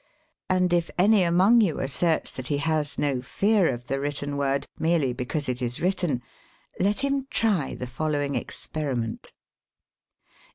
And if anj among you asserts that he has no fear of the written word, merely because it is written, let him try the following experiment.